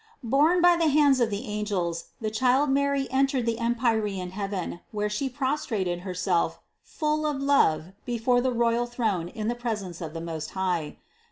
333. Borne by the hands of the angels the child Mary entered the empyrean heaven where She prostrated Herself full of love before the royal throne in the pres ence of the Most High.